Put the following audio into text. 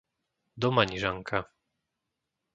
Domanižanka